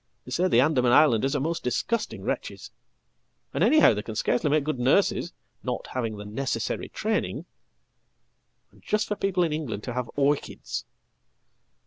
They say the Andaman islanders are most disgustingwretches and, anyhow, they can scarcely make good nurses, not having thenecessary training. And just for people in England to have orchids!""